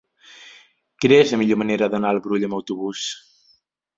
Quina és la millor manera d'anar al Brull amb autobús?